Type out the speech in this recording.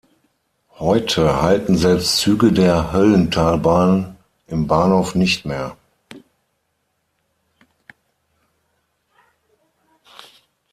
Heute halten selbst Züge der Höllentalbahn im Bahnhof nicht mehr.